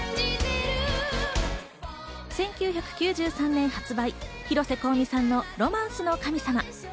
１９９３年発売、広瀬香美さんの『ロマンスの神様』。